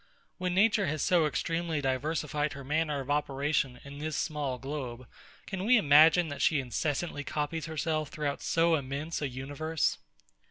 When nature has so extremely diversified her manner of operation in this small globe, can we imagine that she incessantly copies herself throughout so immense a universe?